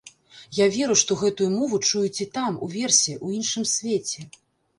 Я веру, што гэтую мову чуюць і там, уверсе, у іншым свеце.